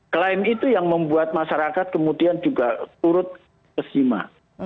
klaim itu yang membuat masyarakat kemudian juga turut kesima